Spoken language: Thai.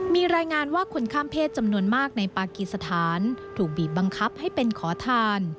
มีรายงานว่าคนข้ามเพศจำนวนมากในปากีสถานถูกบีบบังคับให้เป็นขอทาน